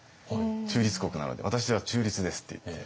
中立国なので私は中立ですって言って。